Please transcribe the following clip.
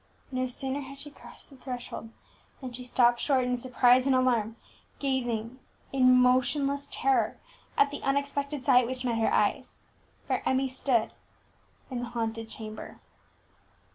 No sooner had she crossed the threshold than she stopped short in surprise and alarm, gazing in motionless terror at the unexpected sight which met her eyes, for Emmie stood in the haunted chamber!